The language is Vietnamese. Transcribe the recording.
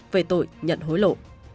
về tội nhận hối lộ